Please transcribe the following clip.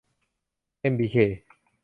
เอ็ม บี เค